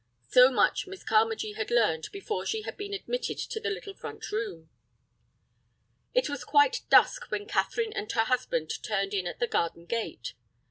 So much Miss Carmagee had learned before she had been admitted to the little front room. It was quite dusk when Catherine and her husband turned in at the garden gate.